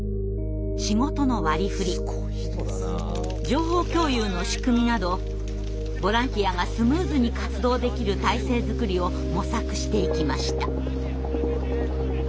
仕事の割りふり情報共有の仕組みなどボランティアがスムーズに活動できる体制作りを模索していきました。